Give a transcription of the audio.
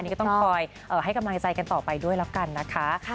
นี่ก็ต้องคอยให้กำลังใจกันต่อไปด้วยแล้วกันนะคะ